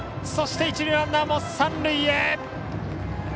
そして、一塁ランナーも三塁へ。